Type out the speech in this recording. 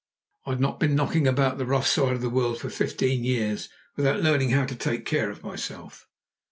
I'd not been knocking about the rough side of the world for fifteen years without learning how to take care of myself.